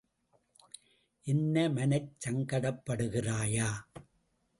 என்ன மனச் சங்கடப்படுகிறாயா?